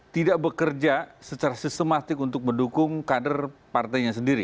tidak bekerja secara sistematik untuk mendukung kader partainya sendiri